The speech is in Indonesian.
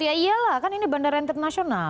ya iyalah kan ini bandara internasional